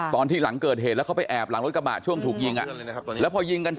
ตอนที่หลังเกิดเหตุแล้วเขาไปแอบหลังรถกระบาดช่วงถูกยิงอ่ะ